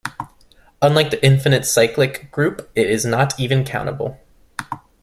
Unlike the infinite cyclic group, it is not even countable.